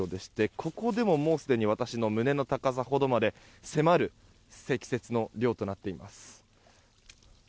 ここでも、もうすでに私の胸の高さほどまで迫る積雪の量となっています。